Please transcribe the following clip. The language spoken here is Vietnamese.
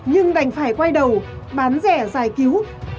nhưng đành phải quay đầu bán rẻ giải cứu